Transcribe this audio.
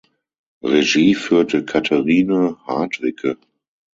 Regie führte Catherine Hardwicke.